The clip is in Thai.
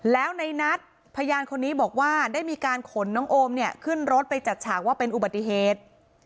แล้วในนัดพยานคนนี้บอกว่าได้มีการขนน้องโอมเนี่ยขึ้นรถไปจัดฉากว่าเป็นอุบัติเหตุ